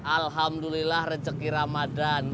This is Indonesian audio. alhamdulillah rejeki ramadan